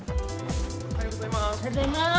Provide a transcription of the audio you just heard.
おはようございます。